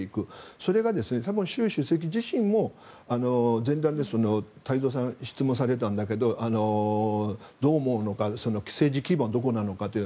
それが習主席自身も前段で太蔵さんが質問されたけどどう思うのか支持基盤はどこなのかという。